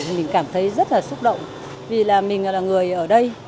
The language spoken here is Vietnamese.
tôi cũng cảm thấy rất là hữu động vì là mình là người ở đây